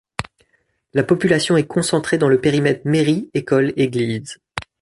La population est concentrée dans le périmètre mairie - école - église.